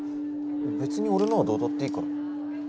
別に俺のはどうだっていいから。